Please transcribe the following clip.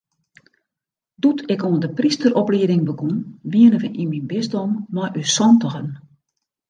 Doe't ik oan de prysteroplieding begûn, wiene we yn myn bisdom mei ús santigen.